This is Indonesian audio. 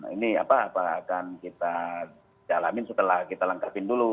ini apa akan kita jalanin setelah kita lengkapin dulu